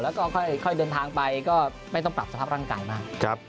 แล้วก็ค่อยเดินทางไปก็ไม่ต้องปรับสภาพร่างกายมาก